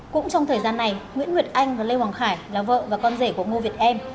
cũng trong thời gian này nguyễn nguyệt anh và lê hoàng khải là vợ và con rể của ngô việt em